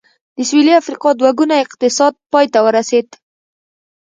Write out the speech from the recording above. د سوېلي افریقا دوه ګونی اقتصاد پای ته ورسېد.